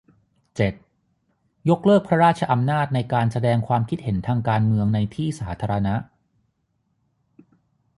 เจ็ด ยกเลิกพระราชอำนาจในการแสดงความคิดเห็นทางการเมืองในที่สาธารณะ